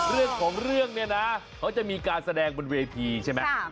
เรื่องของเรื่องเนี่ยนะเขาจะมีการแสดงบนเวทีใช่ไหม